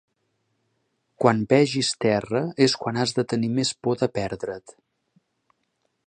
Quan vegis terra és quan has de tenir més por de perdre't.